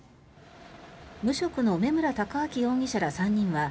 無職の梅村太章容疑者ら３人は